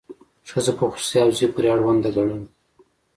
ښځه په خصوصي حوزې پورې اړونده ګڼل.